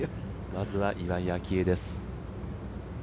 まずは岩井明愛です。